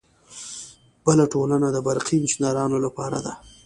بله ټولنه د برقي انجینرانو لپاره ده.